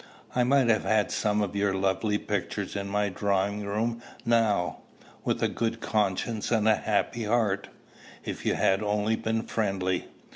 I might have had some of your lovely pictures in my drawing room now with a good conscience and a happy heart if you had only been friendly.